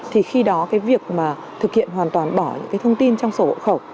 thì khi đó cái việc mà thực hiện hoàn toàn bỏ những cái thông tin trong sổ hộ khẩu